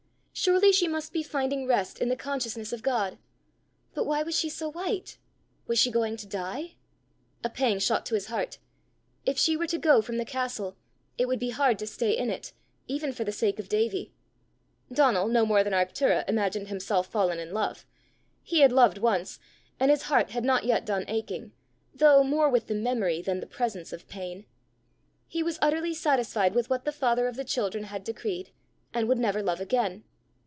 Surely she must be finding rest in the consciousness of God! But why was she so white? Was she going to die? A pang shot to his heart: if she were to go from the castle, it would be hard to stay in it, even for the sake of Davie! Donal, no more than Arctura, imagined himself fallen in love: he had loved once, and his heart had not yet done aching though more with the memory than the presence of pain! He was utterly satisfied with what the Father of the children had decreed, and would never love again!